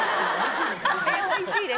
おいしいです。